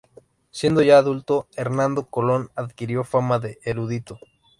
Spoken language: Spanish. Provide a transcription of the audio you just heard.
Siendo ya adulto, Hernando Colón adquirió fama de erudito.